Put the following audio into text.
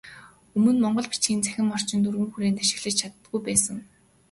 Өмнө монгол бичгийг цахим орчинд өргөн хүрээнд ашиглаж чадахгүй байсан.